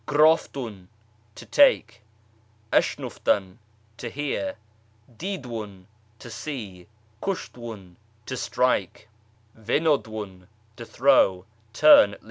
Grdftun, to take ; ashmiftan, to hear ; dklivim, to see ; kushtwun, to strike. Venodwun, to throw. " Turn (lit.